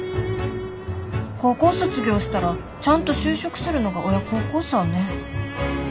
高校卒業したらちゃんと就職するのが親孝行さぁねぇ。